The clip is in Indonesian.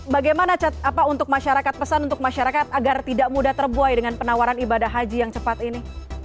bagaimana untuk masyarakat pesan untuk masyarakat agar tidak mudah terbuai dengan penawaran ibadah haji yang cepat ini